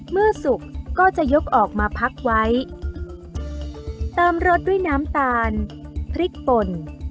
สุกก็จะยกออกมาพักไว้เติมรสด้วยน้ำตาลพริกป่น